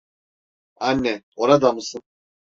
Anne, orada mısın?